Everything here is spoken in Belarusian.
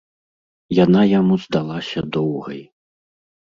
Яна яму здалася доўгай.